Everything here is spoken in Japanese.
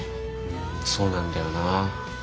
そうなんだよな。